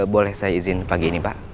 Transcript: boleh saya izin pagi ini pak